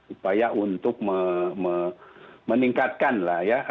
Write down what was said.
upaya untuk meningkatkan lah ya